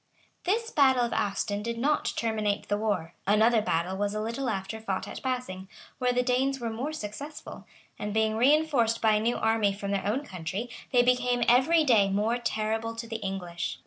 This battle of Aston did not terminate the war; another battle was a little after fought at Basing, where the Danes were more successful; and being reënforced by a new army from their own country, they became every day more terrible to the English.